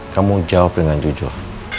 kamu jawab dengan jujur